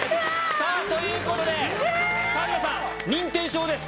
さぁということで環奈さん認定証です